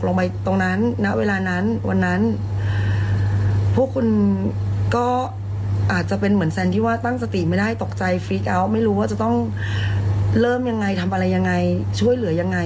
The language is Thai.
ลงไปตรงนั้นณเวลานั้นวันนั้นพวกคุณก็อาจจะเป็นเหมือนแซนที่ว่าตั้งสติไม่ได้ตกใจฟีกเอาท์ไม่รู้ว่าจะต้องเริ่มยังไงทำอะไรยังไงช่วยเหลือยังไง